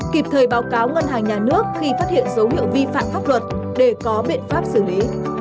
kịp thời báo cáo ngân hàng nhà nước khi phát hiện dấu hiệu vi phạm pháp luật để có biện pháp xử lý